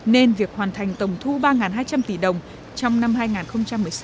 nên việc hoàn thành tổng thu ba hai trăm linh tỷ đồng trong năm hai nghìn một mươi sáu